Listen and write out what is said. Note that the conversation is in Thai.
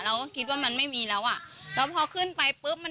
เราก็คิดว่ามันไม่มีแล้วอ่ะแล้วพอขึ้นไปปุ๊บมัน